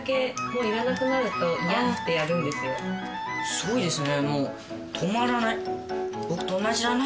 すごいですね。